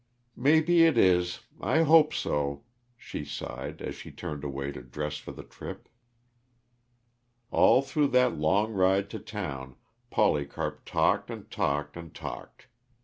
"Maybe it is I hope so," she sighed, as she turned away to dress for the trip. All through that long ride to town, Polycarp talked and talked and talked.